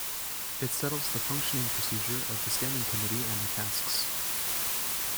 It settles the functioning procedure of the Standing Committee and their tasks.